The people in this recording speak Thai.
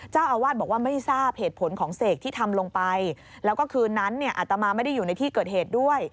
เจ้าอาวาสบอกว่าไม่ทราบเหตุผลของเสกที่ทำลงไปแล้วก็คืนนั้นเนี่ยอาตมาไม่ได้อยู่ในที่เกิดเหตุด้วย